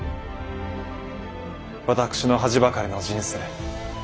私の恥ばかりの人生